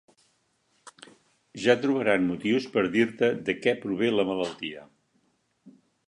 Ja trobaran motius per dir-te de què prové la malaltia.